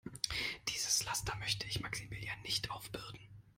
Dieses Laster möchte ich Maximilian nicht aufbürden.